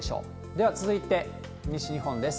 では続いて、西日本です。